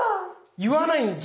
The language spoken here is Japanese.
言わないんですね。